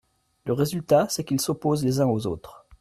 Le résultat, c’est qu’ils s’opposent les uns aux autres.